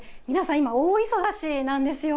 今、大忙しなんですよ。